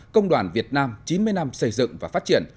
công đoàn việt nam chín mươi năm xây dựng và phát triển